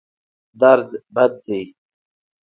درد بد دی.